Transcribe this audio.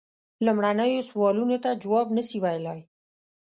لومړنیو سوالونو ته جواب نه سي ویلای.